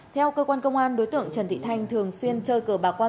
theo cơ quan công an đối tượng trần thị thanh thường xuyên chơi cờ bà qua mạng